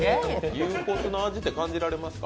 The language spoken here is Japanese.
牛骨の味って感じられますか？